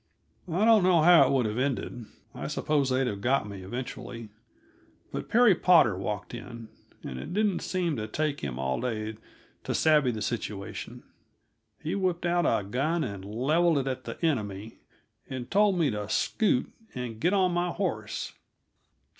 I don't know how it would have ended I suppose they'd have got me, eventually but Perry Potter walked in, and it didn't seem to take him all day to savvy the situation. He whipped out a gun and leveled it at the enemy, and told me to scoot and get on my horse.